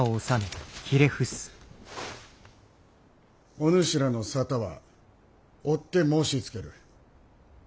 お主らの沙汰はおって申しつける！